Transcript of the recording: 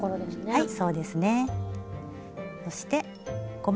はい。